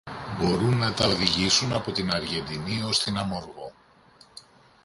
Mπορούν να τα οδηγήσουν από την Αργεντινή ως την Αμοργό